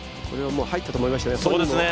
これはもう入ったと思いましたね。